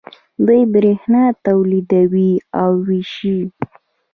دوی بریښنا تولیدوي او ویشي.